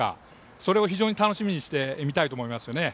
それを非常に楽しみにして見たいと思います。